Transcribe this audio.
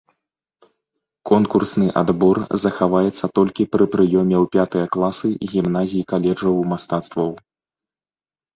Конкурсны адбор захаваецца толькі пры прыёме ў пятыя класы гімназій-каледжаў мастацтваў.